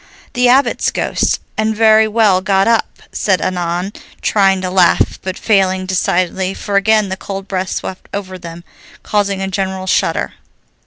"The Abbot's ghost, and very well got up," said Annon, trying to laugh but failing decidedly, for again the cold breath swept over them, causing a general shudder.